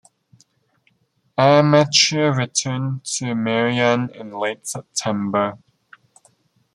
Amateur returned to Merion in late September.